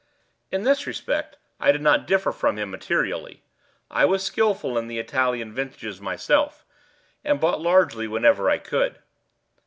In this respect I did not differ from him materially: I was skilful in the Italian vintages myself, and bought largely whenever I could.